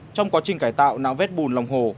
trong quá trình cải tạo nạo vét bùn lòng hồ